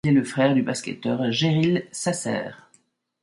Il est le frère du basketteur Jeryl Sasser.